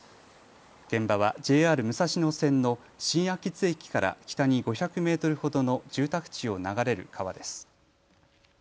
現場はＪＲ武蔵野線の新秋津駅から北に５００メートルほどの住宅地を流れる川です。